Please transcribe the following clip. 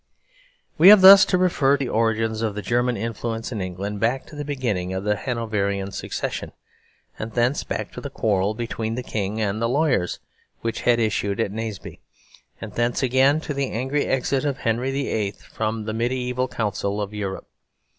We have thus to refer the origins of the German influence in England back to the beginning of the Hanoverian Succession; and thence back to the quarrel between the King and the lawyers which had issue at Naseby; and thence again to the angry exit of Henry VIII. from the mediaeval council of Europe.